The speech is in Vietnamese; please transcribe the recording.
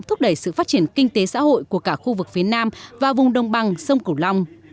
thúc đẩy sự phát triển kinh tế xã hội của cả khu vực phía nam và vùng đồng bằng sông cửu long